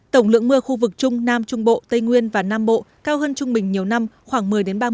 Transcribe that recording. tổng lượng mưa khu vực trung nam trung bộ tây nguyên và nam bộ cao hơn trung bình nhiều năm khoảng một mươi ba mươi